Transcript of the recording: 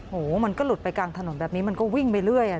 มันก็หลุดไปกลางถนนแบบนี้มันก็วิ่งไปเรื่อย